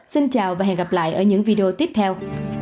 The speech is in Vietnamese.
hẹn gặp lại các bạn trong những video tiếp theo